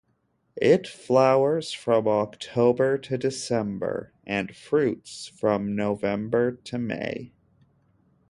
It flowers from October to December and fruits from November to May.